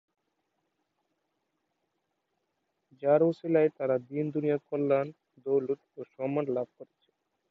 যার উসিলায় তারা দীন দুনিয়ার কল্যাণ, দৌলত ও সম্মান লাভ করেছে।